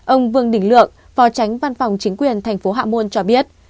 ông vương đình lượng phó tránh văn phòng chính quyền thành phố hạ môn cho biết